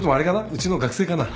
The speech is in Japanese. うちの学生かな？